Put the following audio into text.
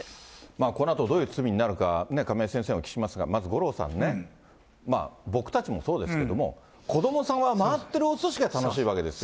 このあとどういう罪になるか、亀井先生にお聞きしますが、まず五郎さんね、僕たちもそうですけども、子どもさんは回ってるおすしが楽しいわけですよ。